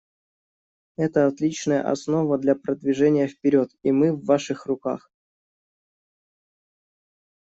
Это отличная основа для продвижения вперед, и мы в Ваших руках.